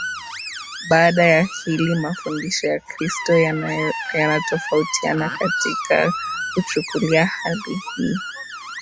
Baada ya hili mafundisho ya Kristo yanatofautiana katika kuchukulia hali hii